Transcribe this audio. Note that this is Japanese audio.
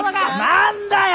何だよ！